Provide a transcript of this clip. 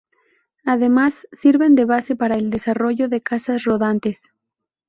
Además, sirven de base para el desarrollo de casas rodantes.